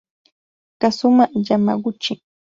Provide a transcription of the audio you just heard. Kazuma Yamaguchi